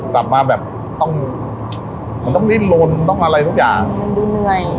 กลับมาแบบต้องมันต้องดิ้นลนต้องอะไรทุกอย่างมันดูเหนื่อย